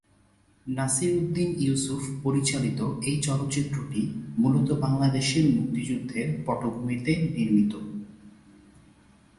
নাসির উদ্দীন ইউসুফ পরিচালিত এই চলচ্চিত্রটি মূলত বাংলাদেশের মুক্তিযুদ্ধের পটভূমিতে নির্মিত।